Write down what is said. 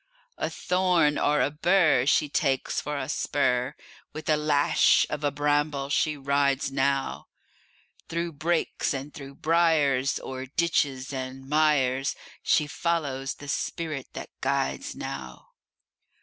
A thorn or a bur She takes for a spur; With a lash of a bramble she rides now, Through brakes and through briars, O'er ditches and mires, She follows the spirit that guides now.